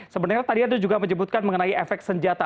sebenarnya tadi anda juga menyebutkan mengenai efek senjata